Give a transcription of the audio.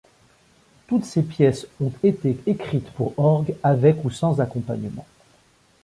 Toutes ces pièces ont été écrites pour orgue, avec ou sans accompagnement.